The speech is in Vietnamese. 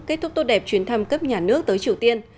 kết thúc tốt đẹp chuyến thăm cấp nhà nước tới triều tiên